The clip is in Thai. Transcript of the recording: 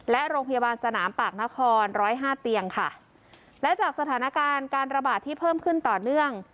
และโรงพยาบาลสนามปากนครร้อยห้าเตียงค่ะและจากสถานการณ์การระบาดที่เพิ่มขึ้นต่อเนื่อง